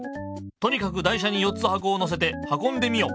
とにかく台車に４つはこをのせてはこんでみよう。